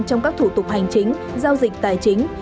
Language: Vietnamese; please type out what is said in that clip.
trong các thủ tục hành chính giao dịch tài chính